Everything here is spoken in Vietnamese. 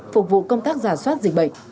phục vụ công tác giả soát dịch bệnh